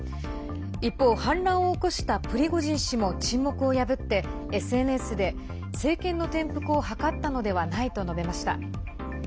一方、反乱を起こしたプリゴジン氏も沈黙を破ってＳＮＳで政権の転覆を謀ったのではないと述べました。